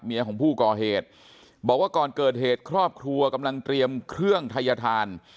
ของผู้ก่อเหตุบอกว่าก่อนเกิดเหตุครอบครัวกำลังเตรียมเครื่องทัยธาน